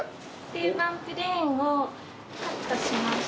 定番プレーンをカットしました。